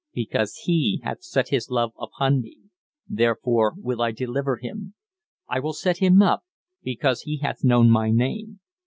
"Because He hath set His love upon me, therefore will I deliver him: I will set him up, because he hath known my name.